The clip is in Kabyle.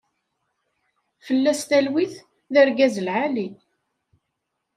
Fella-s talwit, d argaz lɛali.